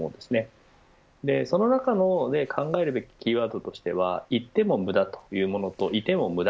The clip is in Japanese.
その中の考えるべきキーワードとしては言っても無駄というものといても無駄